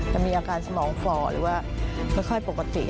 จะมีอาการสมองฝ่อหรือว่าไม่ค่อยปกติ